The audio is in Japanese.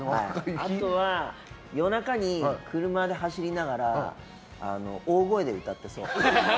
あとは、夜中に車で走りながら大声で歌ってそう。